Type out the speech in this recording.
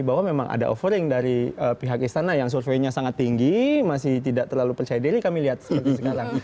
bahwa memang ada offering dari pihak istana yang surveinya sangat tinggi masih tidak terlalu percaya diri kami lihat seperti sekarang